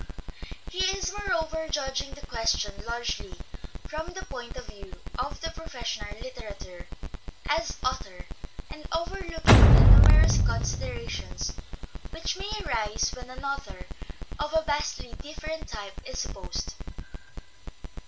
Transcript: He is, moreover, judging the question largely from the point of view of the professional litterateur as author, and overlooking the numerous considerations which may arise when an author of a vastly different type is supposed.